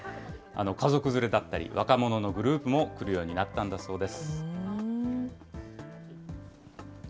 家族連れだったり、若者のグループも来るようになったんだそうです。